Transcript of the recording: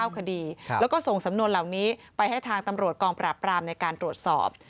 คดีแล้วก็ส่งสำนวนเหล่านี้ไปให้ทางตำรวจกองปราบปรามในการตรวจสอบ